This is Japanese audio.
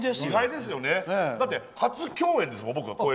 だって、初共演ですもん。